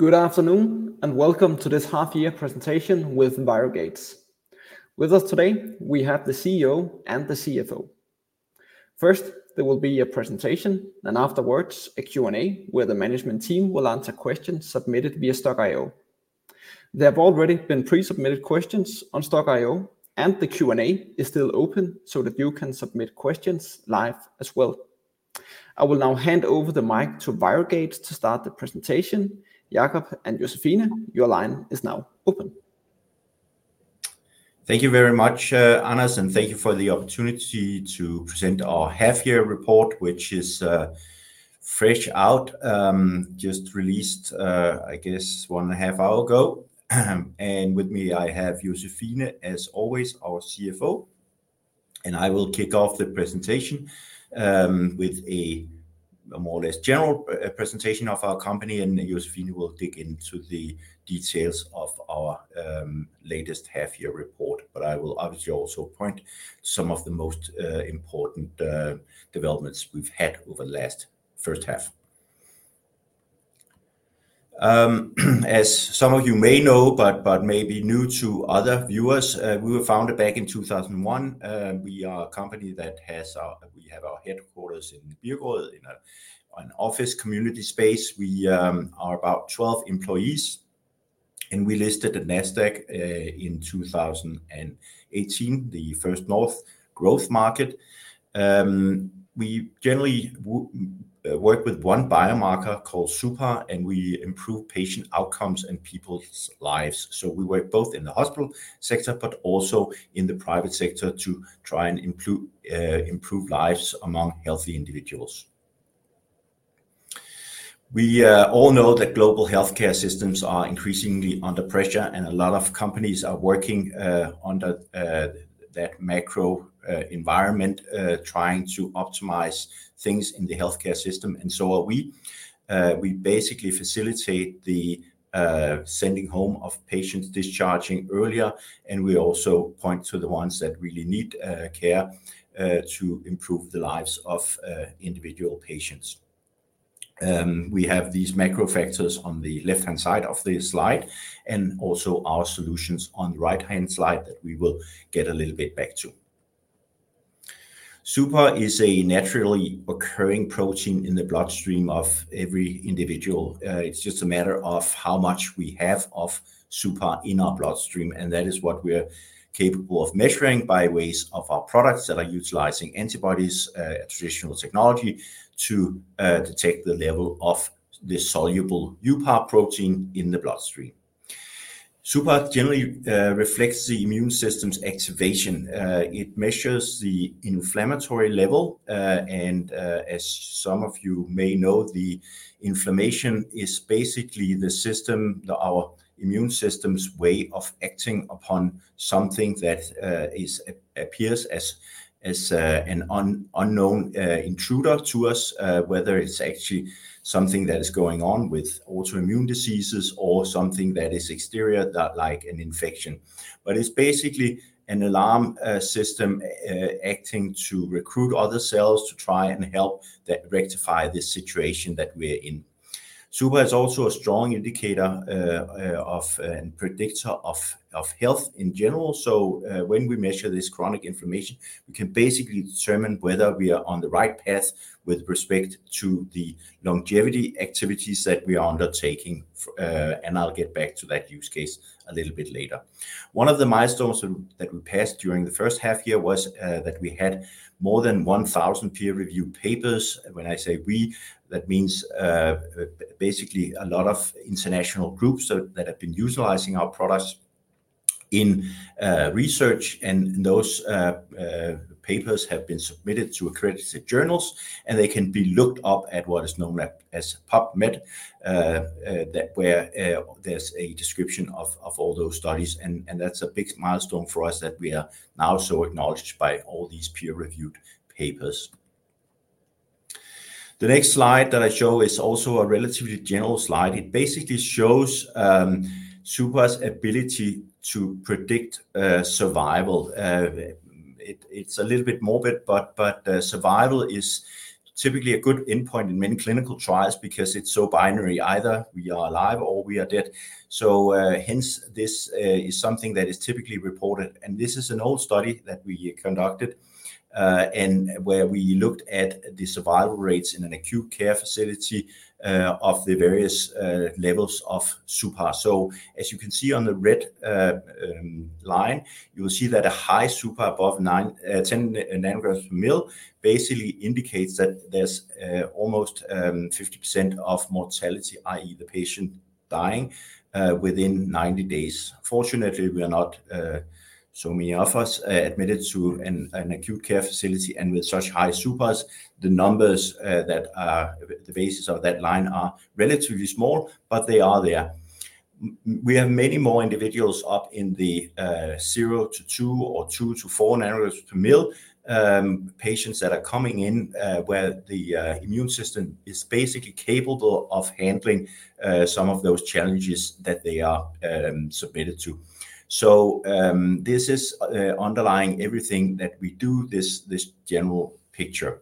Good afternoon, and welcome to this half-year presentation with ViroGates. With us today, we have the CEO and the CFO. First, there will be a presentation, then afterwards, a Q&A, where the management team will answer questions submitted via Stokk.io. There have already been pre-submitted questions on Stokk.io, and the Q&A is still open so that you can submit questions live as well. I will now hand over the mic to ViroGates to start the presentation. Jakob and Josephine, your line is now open. Thank you very much, Anders, and thank you for the opportunity to present our half-year report, which is fresh out, just released, I guess, 1.5 hour ago. With me, I have Josephine, as always, our CFO, and I will kick off the presentation with a more or less general presentation of our company, and Josephine will dig into the details of our latest half-year report. But I will obviously also point some of the most important developments we've had over the last first half. As some of you may know, but maybe new to other viewers, we were founded back in 2001. We are a company that has our headquarters in Birkerød, in an office community space. We are about 12 employees, and we listed at Nasdaq in 2018, the First North Growth Market. We generally work with one biomarker called suPAR, and we improve patient outcomes and people's lives. So we work both in the hospital sector, but also in the private sector to try and improve lives among healthy individuals. We all know that global healthcare systems are increasingly under pressure, and a lot of companies are working under that macro environment trying to optimize things in the healthcare system, and so are we. We basically facilitate the sending home of patients, discharging earlier, and we also point to the ones that really need care to improve the lives of individual patients. We have these macro factors on the left-hand side of the slide and also our solutions on the right-hand side that we will get a little bit back to. suPAR is a naturally occurring protein in the bloodstream of every individual. It's just a matter of how much we have of suPAR in our bloodstream, and that is what we are capable of measuring by ways of our products that are utilizing antibodies, traditional technology, to detect the level of this soluble uPAR protein in the bloodstream. suPAR generally reflects the immune system's activation. It measures the inflammatory level, and, as some of you may know, the inflammation is basically the system, our immune system's way of acting upon something that is-- appears as, as, an unknown intruder to us, whether it's actually something that is going on with autoimmune diseases or something that is exterior, like an infection. But it's basically an alarm system acting to recruit other cells to try and help that rectify this situation that we're in. suPAR is also a strong indicator of and predictor of health in general. So, when we measure this chronic inflammation, we can basically determine whether we are on the right path with respect to the longevity activities that we are undertaking, and I'll get back to that use case a little bit later. One of the milestones that we passed during the first half year was that we had more than 1,000 peer-reviewed papers. When I say we, that means basically a lot of international groups that have been utilizing our products in research, and those papers have been submitted to accredited journals, and they can be looked up at what is known as PubMed, where there's a description of all those studies, and that's a big milestone for us that we are now so acknowledged by all these peer-reviewed papers. The next slide that I show is also a relatively general slide. It basically shows suPAR's ability to predict survival. It's a little bit morbid, but survival is typically a good endpoint in many clinical trials because it's so binary. Either we are alive or we are dead. So, hence, this is something that is typically reported. And this is an old study that we conducted, and where we looked at the survival rates in an acute care facility of the various levels of suPAR. So as you can see on the red line, you will see that a high suPAR above 9 ng/mL and 10 ng/mL basically indicates that there's almost 50% of mortality, i.e., the patient dying within 90 days. Fortunately, we are not so many of us admitted to an acute care facility, and with such high suPARs, the numbers that are the basis of that line are relatively small, but they are there. We have many more individuals up in the 0 ng/mL-2 ng/mL or 2 ng/mL-4 ng/mL patients that are coming in where the immune system is basically capable of handling some of those challenges that they are submitted to. So this is underlying everything that we do, this general picture.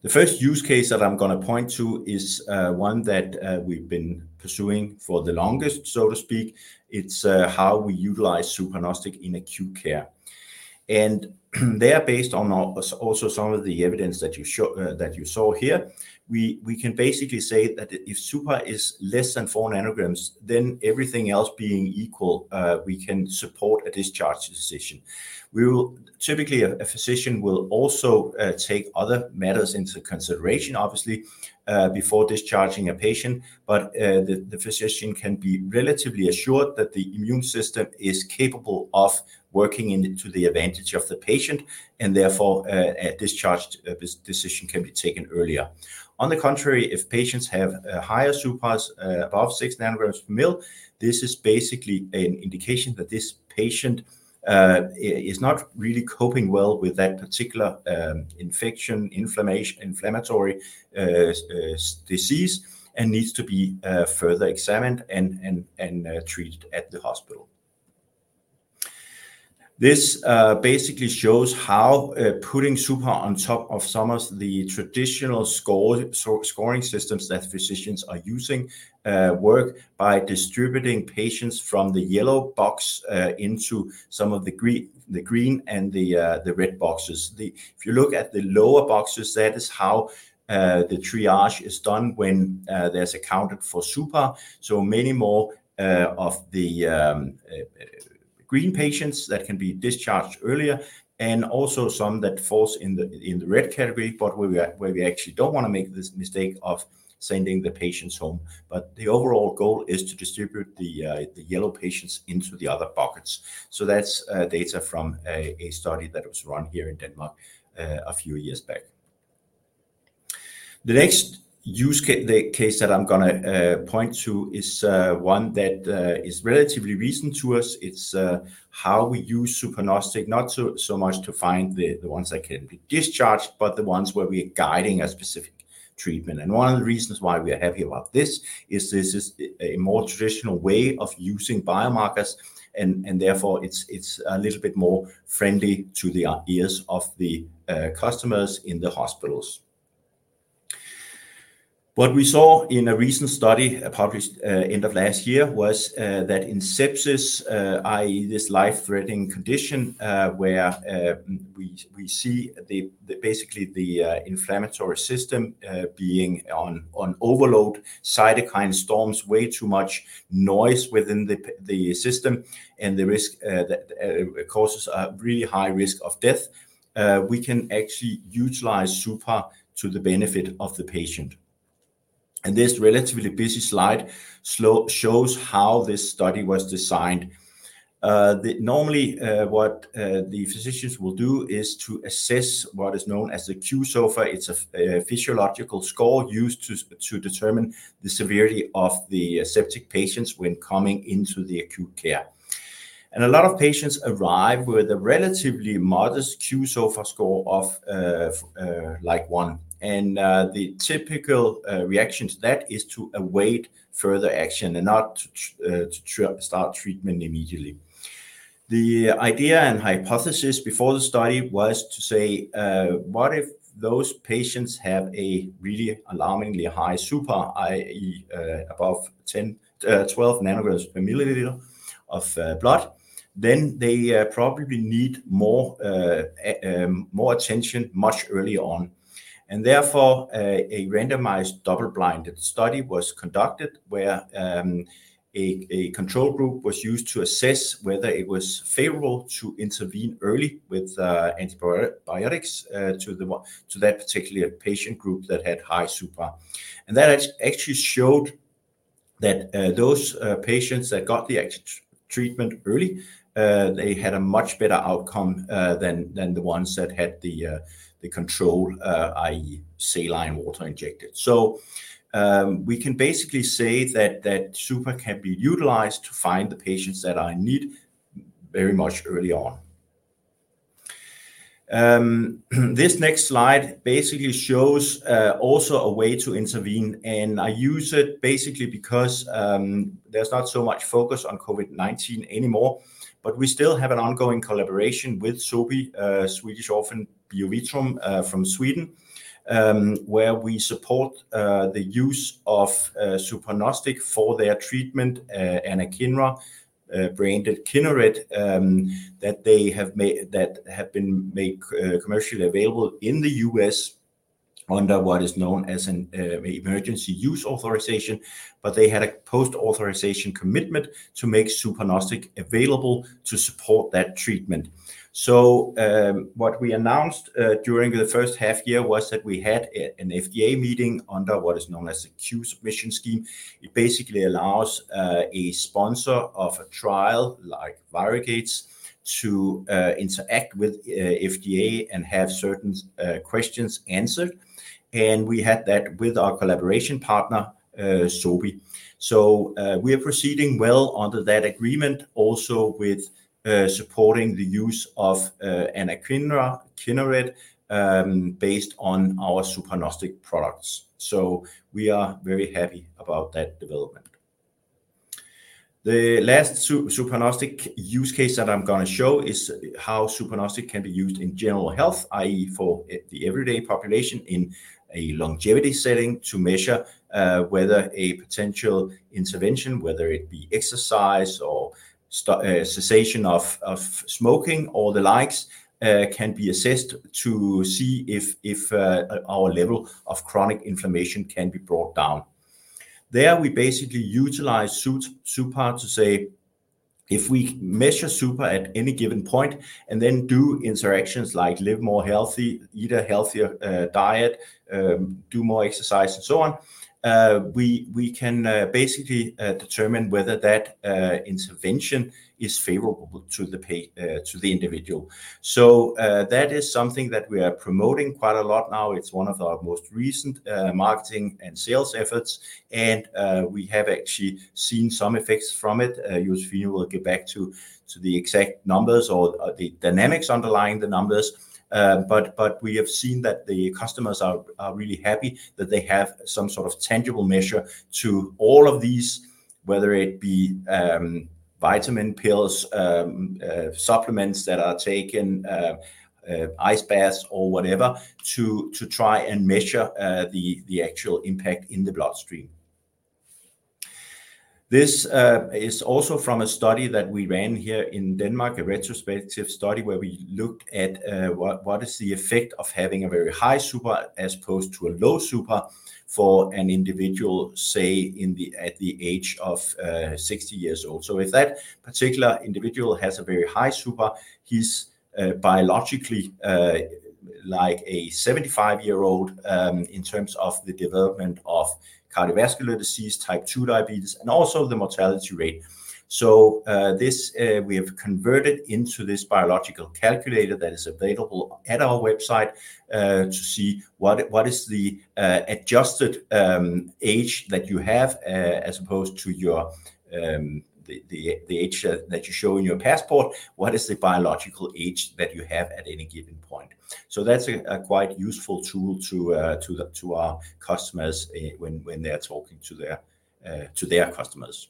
The first use case that I'm gonna point to is one that we've been pursuing for the longest, so to speak. It's how we utilize suPARnostic in acute care. They are based on also some of the evidence that you show that you saw here. We can basically say that if suPAR is less than 4 ng, then everything else being equal, we can support a discharge decision. Typically, a physician will also take other matters into consideration, obviously, before discharging a patient, but the physician can be relatively assured that the immune system is capable of working in to the advantage of the patient, and therefore, a discharge decision can be taken earlier. On the contrary, if patients have higher suPARs above 6 ng/mL, this is basically an indication that this patient is not really coping well with that particular infection, inflammation, inflammatory disease, and needs to be further examined and treated at the hospital. This basically shows how putting suPAR on top of some of the traditional scoring systems that physicians are using work by distributing patients from the yellow box into some of the green, the green and the red boxes. If you look at the lower boxes, that is how the triage is done when there's accounted for suPAR. So many more of the green patients that can be discharged earlier, and also some that falls in the red category, but where we actually don't wanna make this mistake of sending the patients home. But the overall goal is to distribute the yellow patients into the other buckets. So that's data from a study that was run here in Denmark a few years back. The next use case that I'm gonna point to is one that is relatively recent to us. It's how we use suPARnostic, not so much to find the ones that can be discharged, but the ones where we are guiding a specific treatment. And one of the reasons why we are happy about this is this is a more traditional way of using biomarkers, and therefore, it's a little bit more friendly to the ears of the customers in the hospitals. What we saw in a recent study published end of last year was that in sepsis, i.e., this life-threatening condition, where we see the basically the inflammatory system being on overload, cytokine storms, way too much noise within the the system, and the risk it causes a really high risk of death, we can actually utilize suPAR to the benefit of the patient. And this relatively busy slide shows how this study was designed. Normally, what the physicians will do is to assess what is known as the qSOFA. It's a physiological score used to determine the severity of the septic patients when coming into the acute care. And a lot of patients arrive with a relatively modest qSOFA score of like one. The typical reaction to that is to await further action and not to start treatment immediately. The idea and hypothesis before the study was to say, what if those patients have a really alarmingly high suPAR, i.e., above 10 ng/mL or 12 ng/mL of blood? Then they probably need more, more attention much early on. Therefore, a randomized, double-blinded study was conducted, where a control group was used to assess whether it was favorable to intervene early with antibiotics to the, to that particular patient group that had high suPAR. And that actually showed that those patients that got the treatment early, they had a much better outcome than the ones that had the control, i.e., saline water injected. So, we can basically say that suPAR can be utilized to find the patients that are in need very much early on. This next slide basically shows also a way to intervene, and I use it basically because there's not so much focus on COVID-19 anymore, but we still have an ongoing collaboration with Sobi, Swedish Orphan Biovitrum, from Sweden, where we support the use of suPARnostic for their treatment, anakinra, branded Kineret, that have been made commercially available in the U.S. under what is known as an emergency use authorization. But they had a post-authorization commitment to make suPARnostic available to support that treatment. So, what we announced during the first half year was that we had an FDA meeting under what is known as a Q-Submission scheme. It basically allows a sponsor of a trial, like ViroGates, to interact with FDA and have certain questions answered, and we had that with our collaboration partner, Sobi. We are proceeding well under that agreement, also with supporting the use of anakinra, Kineret, based on our suPARnostic products. So we are very happy about that development. The last suPARnostic use case that I'm gonna show is, how suPARnostic can be used in general health, i.e., for the everyday population in a longevity setting to measure whether a potential intervention, whether it be exercise or cessation of smoking or the likes, can be assessed to see if our level of chronic inflammation can be brought down. There, we basically utilize suPAR to say, if we measure suPAR at any given point, and then do interactions like live more healthy, eat a healthier diet, do more exercise, and so on, we can basically determine whether that intervention is favorable to the individual. So, that is something that we are promoting quite a lot now. It's one of our most recent, marketing and sales efforts, and, we have actually seen some effects from it. Josephine will get back to, to the exact numbers or the dynamics underlying the numbers. But, we have seen that the customers are, really happy that they have some sort of tangible measure to all of these, whether it be, vitamin pills, supplements that are taken, ice baths or whatever, to, try and measure, the, actual impact in the bloodstream. This, is also from a study that we ran here in Denmark, a retrospective study, where we looked at, what, is the effect of having a very high suPAR as opposed to a low suPAR for an individual, say, in the... at the age of, 60 years old. So if that particular individual has a very high suPAR, he's biologically like a 75-year-old in terms of the development of cardiovascular disease, Type 2 diabetes, and also the mortality rate. So this we have converted into this biological calculator that is available at our website to see what is the adjusted age that you have as opposed to your the age that you show in your passport. What is the biological age that you have at any given point? So that's a quite useful tool to our customers when they're talking to their customers.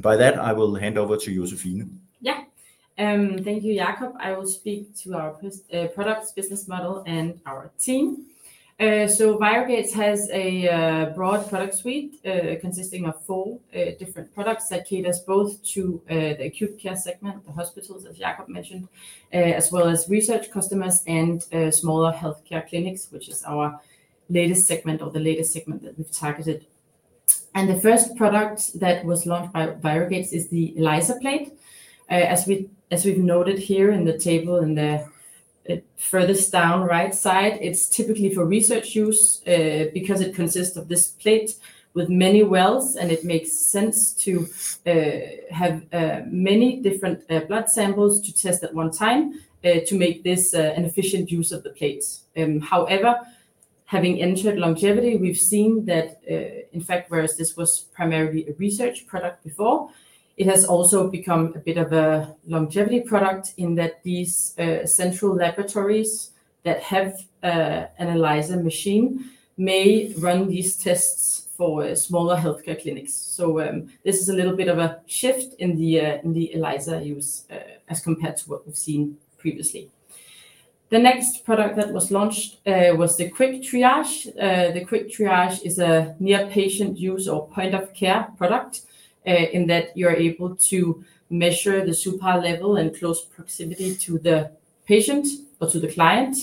And by that, I will hand over to Josephine. Yeah. Thank you, Jakob. I will speak to our products, business model, and our team. So ViroGates has a broad product suite consisting of four different products that caters both to the acute care segment, the hospitals, as Jakob mentioned, as well as research customers and smaller healthcare clinics, which is our latest segment or the latest segment that we've targeted. And the first product that was launched by ViroGates is the ELISA plate. As we've noted here in the table, in the furthest down right side, it's typically for research use because it consists of this plate with many wells, and it makes sense to have many different blood samples to test at one time to make this an efficient use of the plates. However, having entered longevity, we've seen that, in fact, whereas this was primarily a research product before, it has also become a bit of a longevity product in that these central laboratories that have an ELISA machine may run these tests for smaller healthcare clinics. So, this is a little bit of a shift in the ELISA use, as compared to what we've seen previously. The next product that was launched was the Quick Triage. The Quick Triage is a near-patient use or point-of-care product, in that you're able to measure the suPAR level in close proximity to the patient or to the client.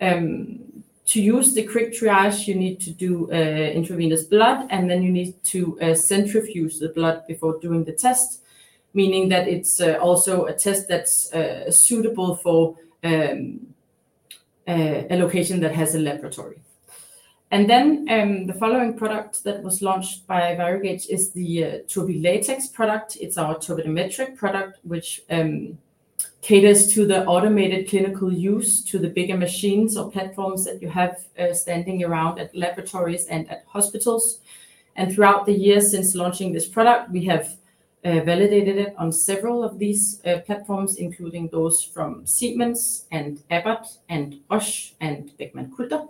To use the Quick Triage, you need to do intravenous blood, and then you need to centrifuge the blood before doing the test, meaning that it's also a test that's suitable for a location that has a laboratory. And then, the following product that was launched by ViroGates is the TurbiLatex product. It's our turbidimetric product, which caters to the automated clinical use to the bigger machines or platforms that you have standing around at laboratories and at hospitals. And throughout the years since launching this product, we have validated it on several of these platforms, including those from Siemens and Abbott and Roche and Beckman Coulter.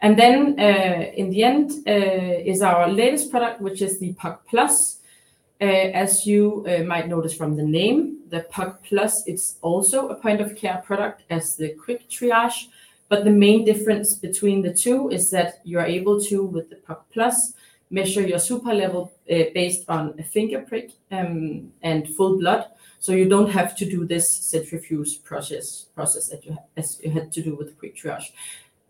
And then, in the end, is our latest product, which is the POC+. As you might notice from the name, the POC+, it's also a point-of-care product as the Quick Triage, but the main difference between the two is that you are able to, with the POC+, measure your suPAR level based on a finger prick and full blood, so you don't have to do this centrifuge process that you had to do with the Quick Triage.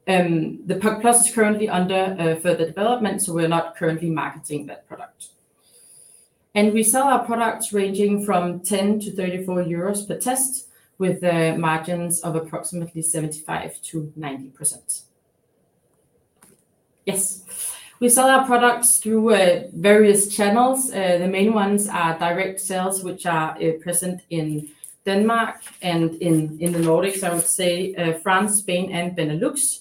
The POC+ is currently under further development, so we're not currently marketing that product. We sell our products ranging from 10-34 euros per test, with the margins of approximately 75%-90%. Yes. We sell our products through various channels. The main ones are direct sales, which are present in Denmark and in the Nordics, I would say, France, Spain, and Benelux.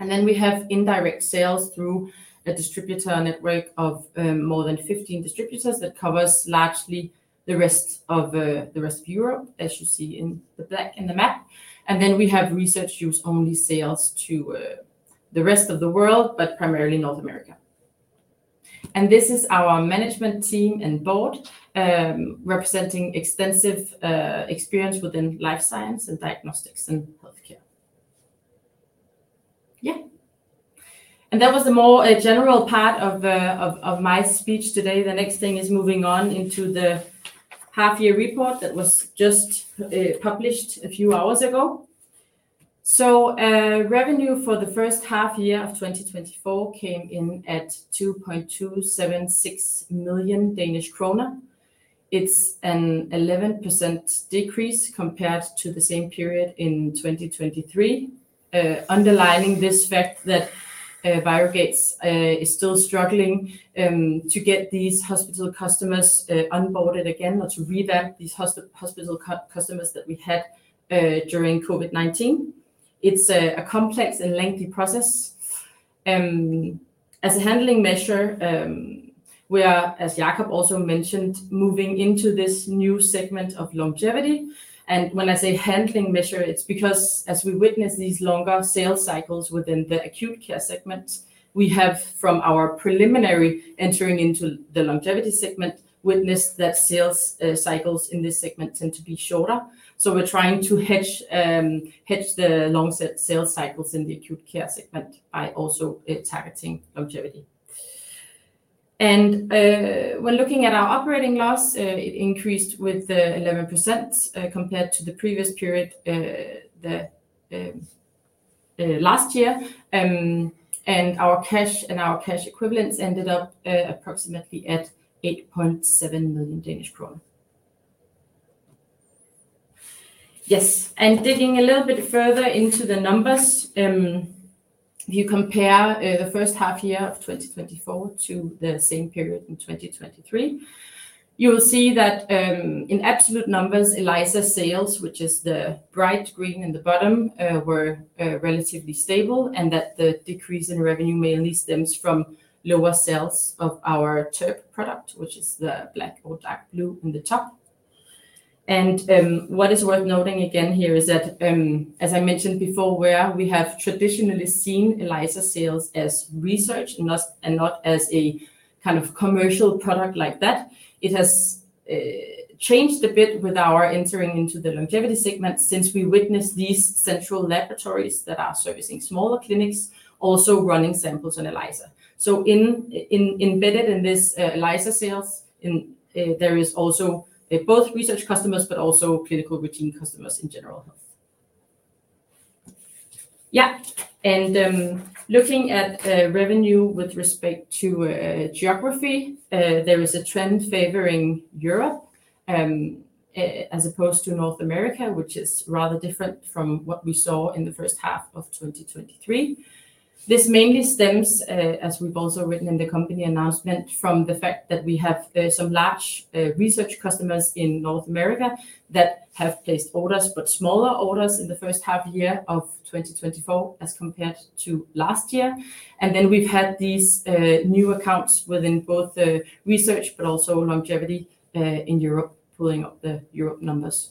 Then we have indirect sales through a distributor network of more than 15 distributors that covers largely the rest of the rest of Europe, as you see in the black in the map. Then we have research use only sales to the rest of the world, but primarily North America. This is our management team and board representing extensive experience within life science and diagnostics and healthcare. Yeah. That was the more general part of my speech today. The next thing is moving on into the half-year report that was just published a few hours ago. Revenue for the first half-year of 2024 came in at 2.276 million Danish kroner. It's an 11% decrease compared to the same period in 2023. Underlining this fact that ViroGates is still struggling to get these hospital customers onboarded again, or to revamp these hospital customers that we had during COVID-19. It's a complex and lengthy process. As a handling measure, we are, as Jakob also mentioned, moving into this new segment of longevity. And when I say handling measure, it's because as we witness these longer sales cycles within the acute care segment, we have, from our preliminary entering into the longevity segment, witnessed that sales cycles in this segment tend to be shorter. So we're trying to hedge the long sales cycles in the acute care segment by also targeting longevity. And when looking at our operating loss, it increased with 11% compared to the previous period, the last year. And our cash and our cash equivalents ended up approximately at 8.7 million. Yes, and digging a little bit further into the numbers, if you compare the first half year of 2024 to the same period in 2023, you will see that, in absolute numbers, ELISA sales, which is the bright green in the bottom, were relatively stable, and that the decrease in revenue mainly stems from lower sales of our Turb product, which is the black or dark blue in the top. What is worth noting again here is that, as I mentioned before, where we have traditionally seen ELISA sales as research and not as a kind of commercial product like that, it has changed a bit with our entering into the longevity segment since we witnessed these central laboratories that are servicing smaller clinics, also running samples on ELISA. So embedded in this ELISA sales, there is also both research customers, but also clinical routine customers in general health. Yeah, and looking at revenue with respect to geography, there is a trend favoring Europe as opposed to North America, which is rather different from what we saw in the first half of 2023. This mainly stems, as we've also written in the company announcement, from the fact that we have some large research customers in North America that have placed orders, but smaller orders in the first half year of 2024 as compared to last year. And then we've had these new accounts within both the research but also longevity in Europe, pulling up the Europe numbers.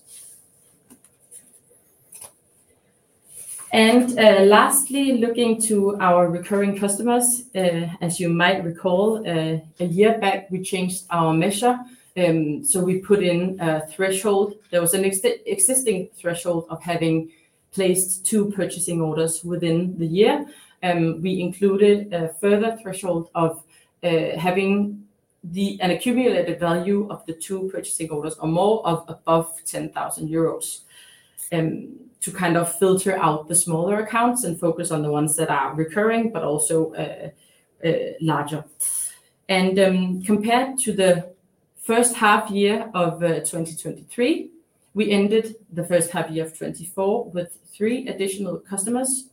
And lastly, looking to our recurring customers, as you might recall, a year back, we changed our measure. So we put in a threshold. There was an existing threshold of having placed two purchasing orders within the year. We included a further threshold of having the... An accumulated value of the two purchasing orders or more of above 10,000 euros, to kind of filter out the smaller accounts and focus on the ones that are recurring, but also, larger. Compared to the first half year of 2023, we ended the first half year of 2024 with three additional customers.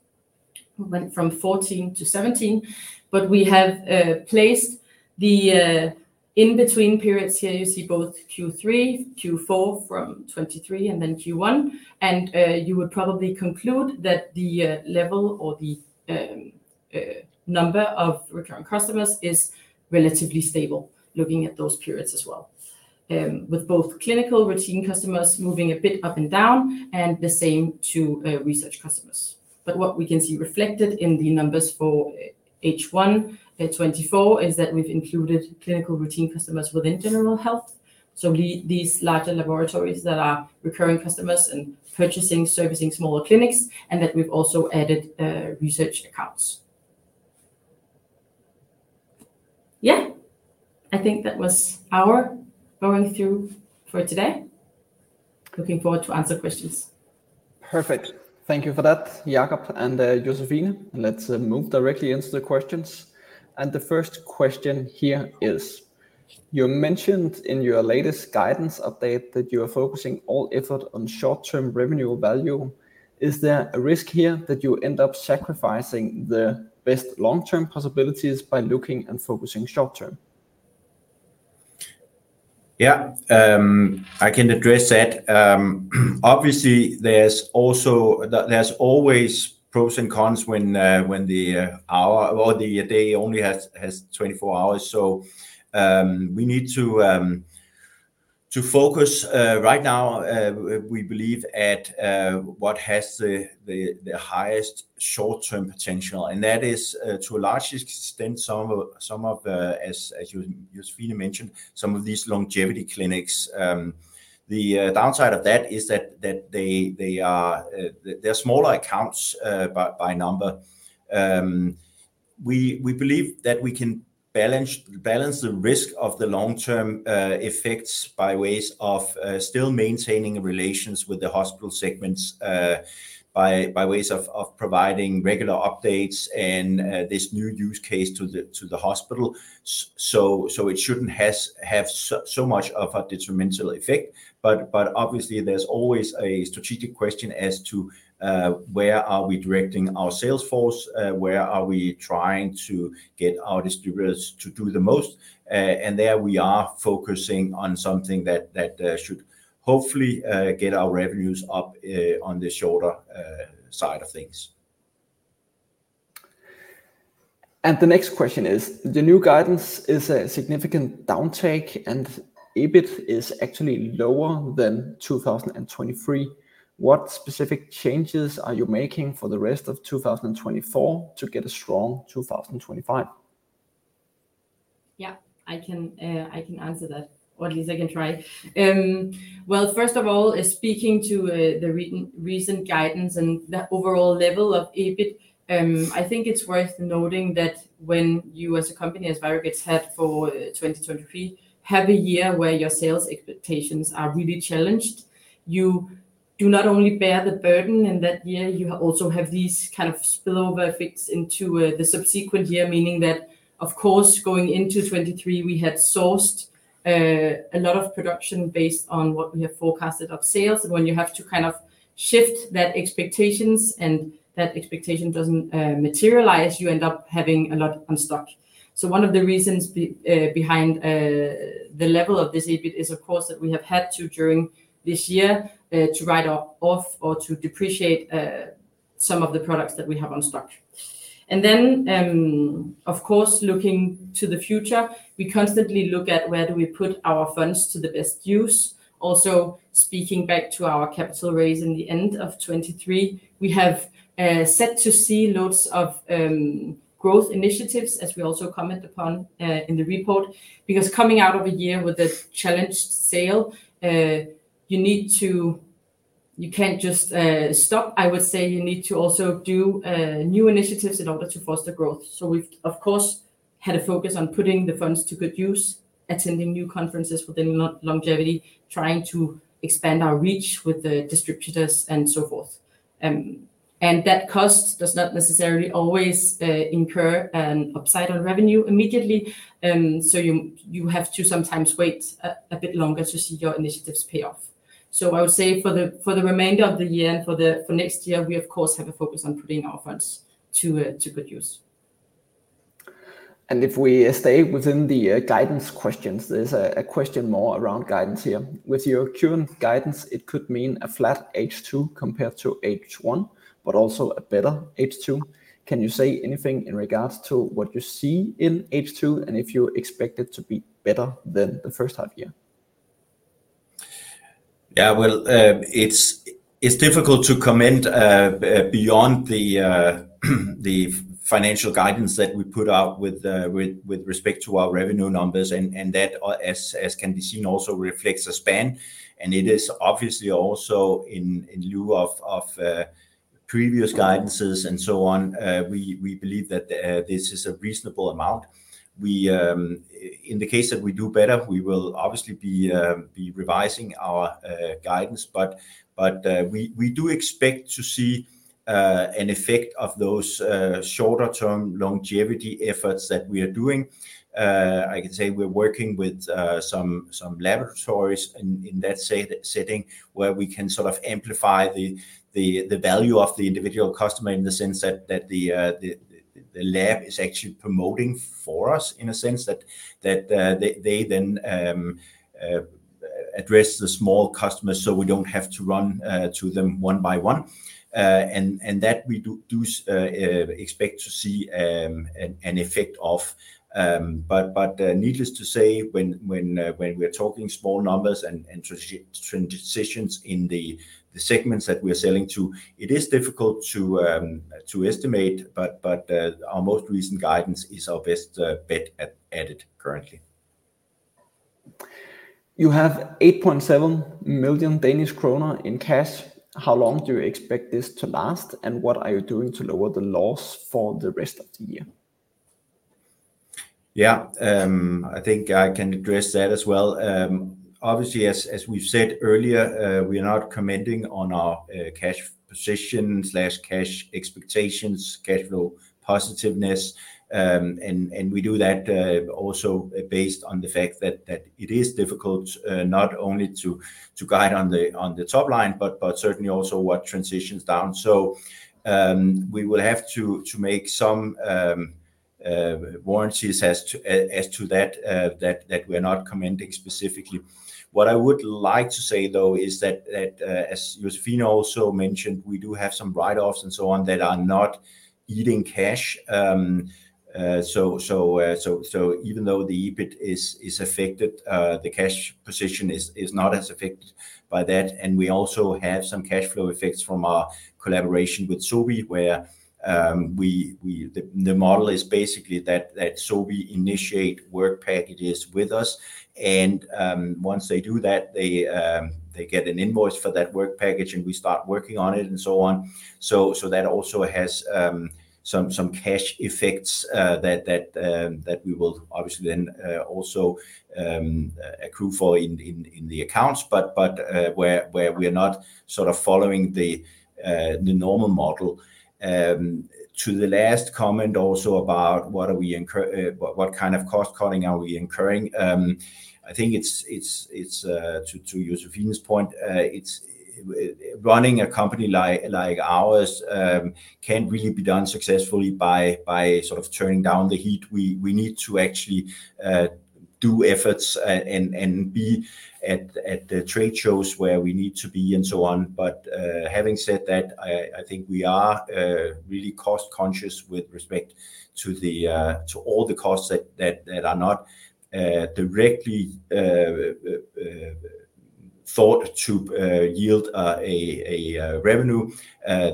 We went from 14 to 17, but we have placed the in-between periods here. You see both Q3, Q4 from 2023, and then Q1, and you would probably conclude that the level or the number of recurring customers is relatively stable, looking at those periods as well. With both clinical routine customers moving a bit up and down, and the same to research customers. But what we can see reflected in the numbers for H1 2024 is that we've included clinical routine customers within general health, so these larger laboratories that are recurring customers and purchasing, servicing smaller clinics, and that we've also added research accounts. Yeah, I think that was our going through for today. Looking forward to answer questions. Perfect. Thank you for that, Jakob and Josephine. Let's move directly into the questions. The first question here is: You mentioned in your latest guidance update that you are focusing all effort on short-term revenue value. Is there a risk here that you end up sacrificing the best long-term possibilities by looking and focusing short term? Yeah, I can address that. Obviously, there's also... There's always pros and cons when the hour or the day only has 24 hours. So, we need to. To focus right now. We believe at what has the highest short-term potential, and that is to a large extent some of the, as you, Josephine mentioned, some of these longevity clinics. The downside of that is that they are they're smaller accounts by number. We believe that we can balance the risk of the long-term effects by ways of still maintaining relations with the hospital segments by ways of providing regular updates and this new use case to the hospital. So it shouldn't have so much of a detrimental effect. But obviously there's always a strategic question as to where we are directing our sales force? Where are we trying to get our distributors to do the most? And there we are focusing on something that should hopefully get our revenues up on the shorter side of things. The next question is, the new guidance is a significant downtake, and EBIT is actually lower than 2023. What specific changes are you making for the rest of 2024 to get a strong 2025? Yeah, I can, I can answer that, or at least I can try. Well, first of all, speaking to the recent guidance and the overall level of EBIT, I think it's worth noting that when you as a company, as ViroGates had for 2023, have a year where your sales expectations are really challenged, you do not only bear the burden in that year, you also have these kind of spillover effects into the subsequent year. Meaning that, of course, going into 2023, we had sourced a lot of production based on what we have forecasted of sales. And when you have to kind of shift that expectations and that expectation doesn't materialize, you end up having a lot on stock. So one of the reasons behind the level of this EBIT is, of course, that we have had to, during this year, to write off or to depreciate some of the products that we have on stock. And then, of course, looking to the future, we constantly look at where do we put our funds to the best use. Also, speaking back to our capital raise in the end of 2023, we have set aside loads of growth initiatives, as we also comment upon in the report. Because coming out of a year with a challenged sale, you need to. You can't just stop. I would say you need to also do new initiatives in order to foster growth. So we've, of course, had a focus on putting the funds to good use, attending new conferences within longevity, trying to expand our reach with the distributors and so forth. And that cost does not necessarily always incur an upside on revenue immediately, so you have to sometimes wait a bit longer to see your initiatives pay off. So I would say for the remainder of the year and for next year, we of course have a focus on putting our funds to good use. And if we stay within the guidance questions, there's a question more around guidance here. With your current guidance, it could mean a flat H2 compared to H1, but also a better H2. Can you say anything in regards to what you see in H2, and if you expect it to be better than the first half year? Yeah, well, it's difficult to comment beyond the financial guidance that we put out with respect to our revenue numbers. And that, as can be seen, also reflects a span, and it is obviously also in lieu of previous guidances and so on. We believe that this is a reasonable amount. We, in the case that we do better, we will obviously be revising our guidance. But we do expect to see an effect of those shorter-term longevity efforts that we are doing. I can say we're working with some laboratories in that setting, where we can sort of amplify the value of the individual customer, in the sense that the lab is actually promoting for us in a sense that they then address the small customers so we don't have to run to them one by one. And that we do expect to see an effect of. But needless to say, when we're talking small numbers and transitions in the segments that we're selling to, it is difficult to estimate. But our most recent guidance is our best bet at it currently. You have 8.7 million Danish kroner in cash. How long do you expect this to last, and what are you doing to lower the loss for the rest of the year? Yeah, I think I can address that as well. Obviously, as we've said earlier, we are not commenting on our cash position slash cash expectations, cash flow positiveness. We do that also based on the fact that it is difficult not only to guide on the top line, but certainly also what transitions down. We will have to make some warranties as to that we're not commenting specifically. What I would like to say, though, is that as Josephine also mentioned, we do have some write-offs and so on that are not eating cash. So even though the EBIT is affected, the cash position is not as affected by that. And we also have some cash flow effects from our collaboration with Sobi, where we, the model is basically that Sobi initiate work packages with us, and once they do that, they get an invoice for that work package, and we start working on it and so on. So that also has some cash effects that we will obviously then also accrue for in the accounts, but where we are not sort of following the normal model. To the last comment, also, about what kind of cost-cutting are we incurring? I think it's to Josephine's point, it's... Running a company like, like ours, can't really be done successfully by sort of turning down the heat. We need to actually do efforts and be at the trade shows where we need to be, and so on. But having said that, I think we are really cost-conscious with respect to all the costs that are not directly thought to yield a revenue.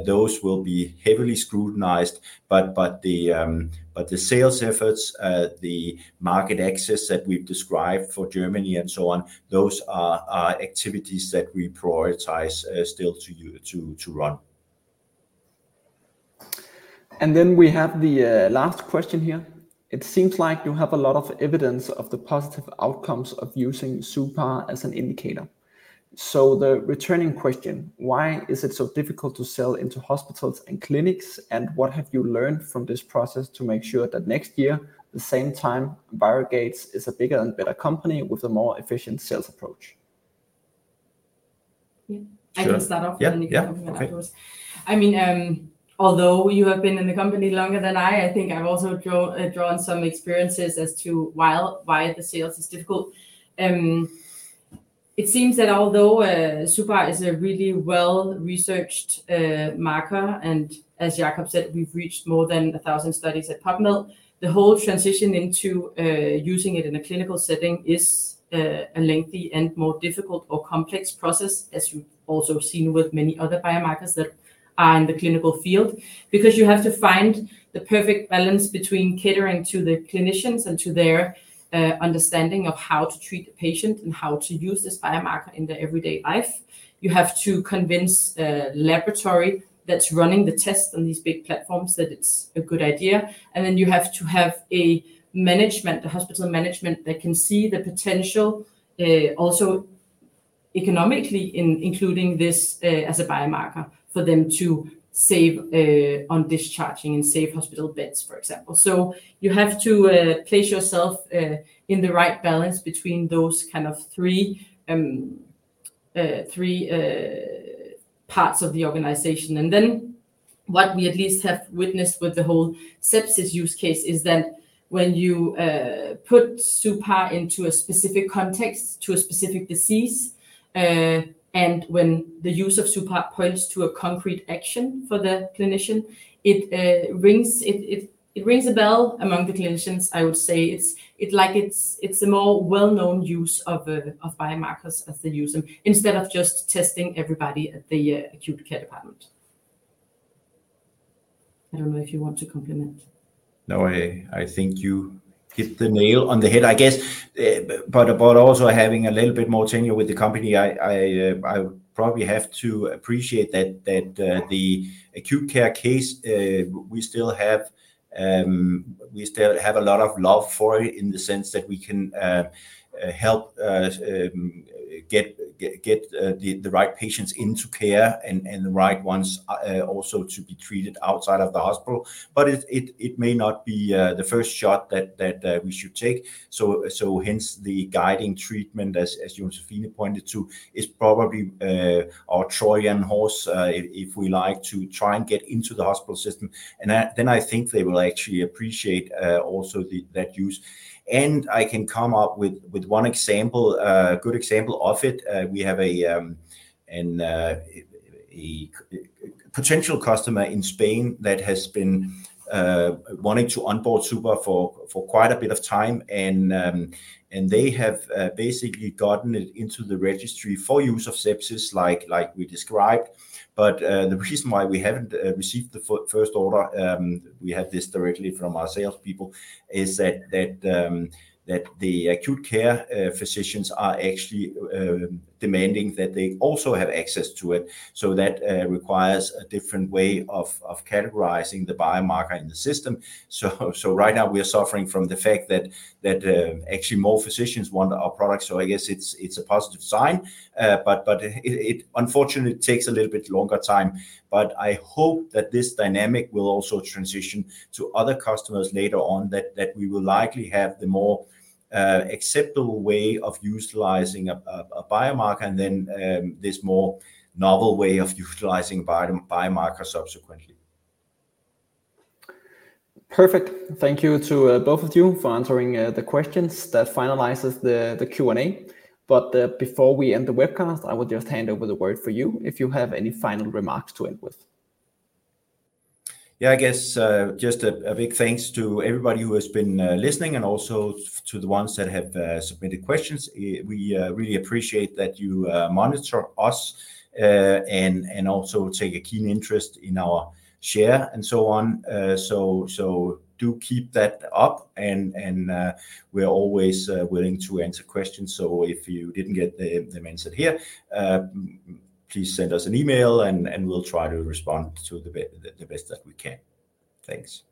Those will be heavily scrutinized. But the sales efforts, the market access that we've described for Germany and so on, those are activities that we prioritize still to run. And then we have the last question here: It seems like you have a lot of evidence of the positive outcomes of using suPAR as an indicator. So the returning question, why is it so difficult to sell into hospitals and clinics, and what have you learned from this process to make sure that next year, the same time, ViroGates is a bigger and better company with a more efficient sales approach? Yeah. Sure. I can start off. Yeah, yeah. You can comment afterwards. Okay. I mean, although you have been in the company longer than I, I think I've also drawn some experiences as to why the sales is difficult. It seems that although suPAR is a really well-researched marker, and as Jakob said, we've reached more than 1,000 studies at PubMed, the whole transition into using it in a clinical setting is a lengthy and more difficult or complex process, as you've also seen with many other biomarkers that are in the clinical field. Because you have to find the perfect balance between catering to the clinicians and to their understanding of how to treat a patient and how to use this biomarker in their everyday life. You have to convince a laboratory that's running the tests on these big platforms that it's a good idea, and then you have to have a management, a hospital management, that can see the potential, also economically including this, as a biomarker for them to save on discharging and save hospital beds, for example. So you have to place yourself in the right balance between those kind of three parts of the organization. And then what we at least have witnessed with the whole sepsis use case is that when you put suPAR into a specific context to a specific disease, and when the use of suPAR points to a concrete action for the clinician, it rings a bell among the clinicians, I would say. It's like it's a more well-known use of biomarkers as they use them, instead of just testing everybody at the acute care department. I don't know if you want to compliment. No, I think you hit the nail on the head, I guess. But also having a little bit more tenure with the company, I probably have to appreciate that the acute care case, we still have, we still have a lot of love for it in the sense that we can help get the right patients into care and the right ones also to be treated outside of the hospital. But it may not be the first shot that we should take. So hence, the guiding treatment, as Josephine pointed to, is probably our Trojan horse, if we like to try and get into the hospital system. And then I think they will actually appreciate also that use. I can come up with one example, a good example of it. We have a potential customer in Spain that has been wanting to onboard suPAR for quite a bit of time, and they have basically gotten it into the registry for use of sepsis like we described. But the reason why we haven't received the first order, we have this directly from our salespeople, is that the acute care physicians are actually demanding that they also have access to it. So that requires a different way of categorizing the biomarker in the system. So right now we are suffering from the fact that actually more physicians want our product, so I guess it's a positive sign. But it unfortunately takes a little bit longer time. But I hope that this dynamic will also transition to other customers later on, that we will likely have the more acceptable way of utilizing a biomarker and then, this more novel way of utilizing biomarker subsequently. Perfect. Thank you to both of you for answering the questions. That finalizes the Q&A. But before we end the webcast, I will just hand over the word for you if you have any final remarks to end with. Yeah. I guess, just a, a big thanks to everybody who has been, listening and also to the ones that have, submitted questions. We really appreciate that you monitor us, and, and, we are always, willing to answer questions. So if you didn't get the, them answered here, please send us an email, and, and we'll try to respond to the be- the best that we can. Thanks.